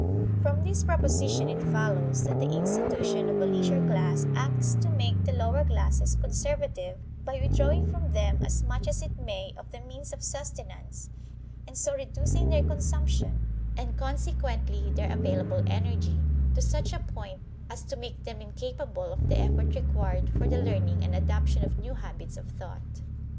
From this proposition it follows that the institution of a leisure class acts to make the lower classes conservative by withdrawing from them as much as it may of the means of sustenance, and so reducing their consumption, and consequently their available energy, to such a point as to make them incapable of the effort required for the learning and adoption of new habits of thought.